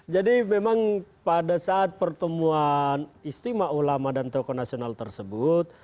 jadi memang pada saat pertemuan istimewa ulama dan tokoh nasional tersebut